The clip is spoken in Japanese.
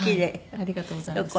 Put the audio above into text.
ありがとうございます。